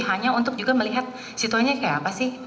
hanya untuk juga melihat situasinya kayak apa sih